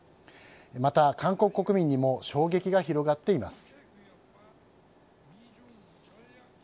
また韓国国民にも衝撃が広がっています。